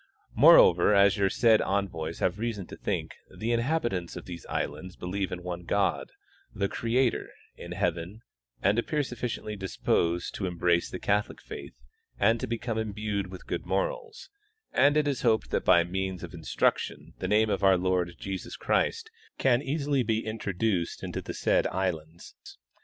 Moreover, as your said envoys have reason to think, the inhabitants of these islands believe in one God, the Creator, in heaven, and appear suffi ciently disposed to embrace the Catholic faith and to become imbued Avith good morals, and it is hoped that by means of in struction the name of our Lord Jesus Christ can easily be intro duced into the said islands.